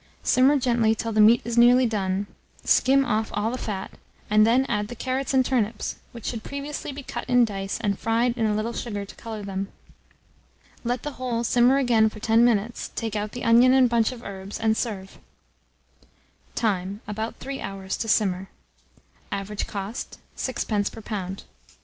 Simmer gently till the meat is nearly done, skim off all the fat, and then add the carrots and turnips, which should previously be cut in dice and fried in a little sugar to colour them. Let the whole simmer again for 10 minutes; take out the onion and bunch of herbs, and serve. Time. About 3 hours to simmer. Average cost, 6d. per lb. Sufficient for 4 or 5 persons.